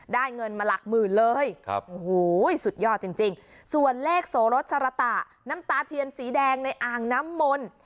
เงินมาหลักหมื่นเลยสุดยอดจริงส่วนเลขโสรสสรตะน้ำตาเทียนสีแดงในอ่างน้ำมนต์